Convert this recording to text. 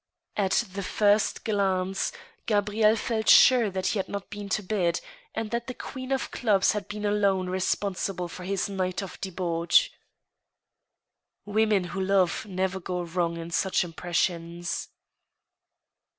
At the first glance, Gabrielle felt sure he had not been to bed, and that the queen of clubs had been alone responsible for his night of debauch. Women who love never go wrong in such impressions.